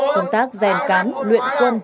công tác ghen cán luyện quân